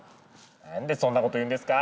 なんでそんなこと言うんですか！